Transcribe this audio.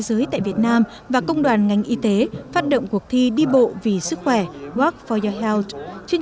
giới tại việt nam và công đoàn ngành y tế phát động cuộc thi đi bộ vì sức khỏe chương